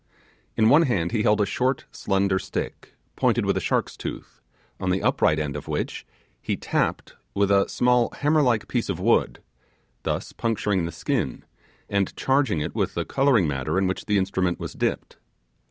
In one hand he held a short slender stick, pointed with a shark's tooth, on the upright end of which he tapped with a small hammer like piece of wood, thus puncturing the skin, and charging it with the colouring matter in which the instrument was dipped.